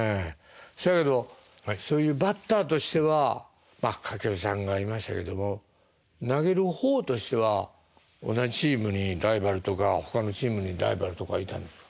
そやけどそういうバッターとしては掛布さんがいましたけども投げる方としては同じチームにライバルとかほかのチームにライバルとかいたんですか？